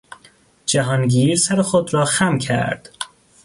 جهانگیر سر خود را خم کرد.